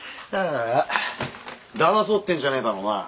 だまそうってんじゃねえだろうな？